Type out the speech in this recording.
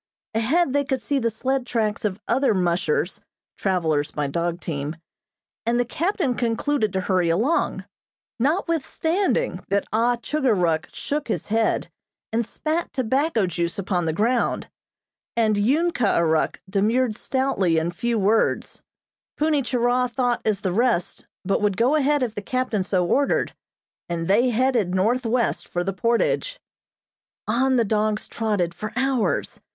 Ahead they could see the sled tracks of other "mushers" (travelers by dog team), and the captain concluded to hurry along, notwithstanding that Ah Chugor Ruk shook his head, and spat tobacco juice upon the ground, and Ung Kah Ah Ruk demurred stoutly in few words. Punni Churah thought as the rest, but would go ahead if the captain so ordered, and they headed northwest for the portage. On the dogs trotted for hours.